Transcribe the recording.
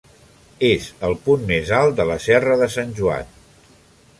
És el punt més alt de la Serra de Sant Joan.